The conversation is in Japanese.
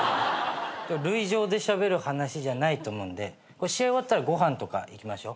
塁上でしゃべる話じゃないと思うんで試合終わったらご飯とか行きましょ？